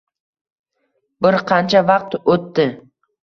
Bir qancha vaqt o`tdi